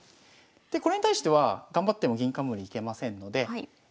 これに対しては頑張っても銀冠いけませんので。